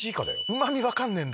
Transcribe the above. うま味分かんねえんだ。